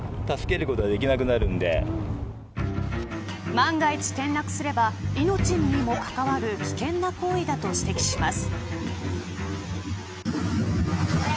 万が一、転落すれば命にも関わる危険な行為だと指摘します。